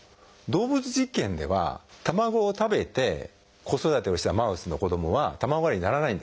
動物実験では卵を食べて子育てをしたマウスの子どもは卵アレルギーにならないんですよ。